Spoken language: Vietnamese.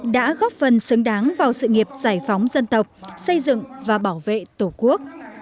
đã góp phần xứng đáng vào sự nghiệp giải phóng dân tộc xây dựng và bảo vệ tổ quốc